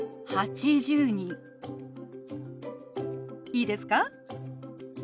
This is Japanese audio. いいですか？